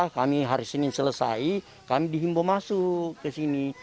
kami hari senin selesai kami dihimbau masuk ke sini